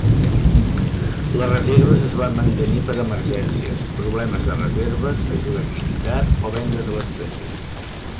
Les reserves es van mantenir per a emergències, problemes de reserves, ajuda militar o vendes a l'estranger.